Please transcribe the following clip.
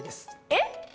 えっ！